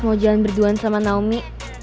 mau jalan berduaan sama naomi